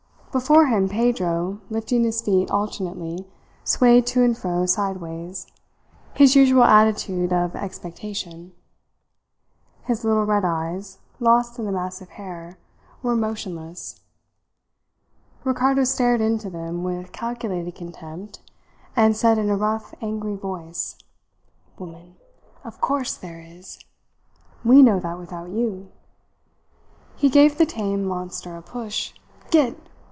Before him Pedro, lifting his feet alternately, swayed to and fro sideways his usual attitude of expectation. His little red eyes, lost in the mass of hair, were motionless. Ricardo stared into them with calculated contempt and said in a rough, angry voice: "Woman! Of course there is. We know that without you!" He gave the tame monster a push. "Git!